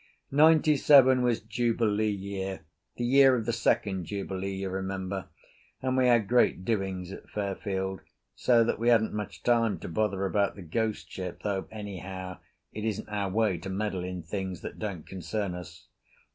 Ninety seven was Jubilee year, the year of the second Jubilee, you remember, and we had great doings at Fairfield, so that we hadn't much time to bother about the ghost ship though anyhow it isn't our way to meddle in things that don't concern us.